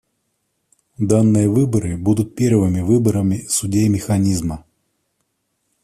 Данные выборы будут первыми выборами судей Механизма.